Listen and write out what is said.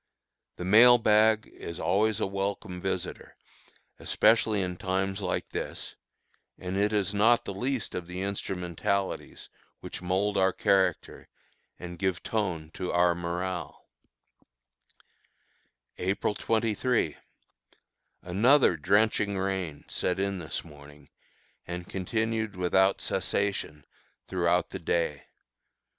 The mail bag is always a welcome visitor, especially in times like this, and it is not the least of the instrumentalities which mould our character and give tone to our morale. April 23. Another drenching rain set in this morning and continued without cessation throughout the day.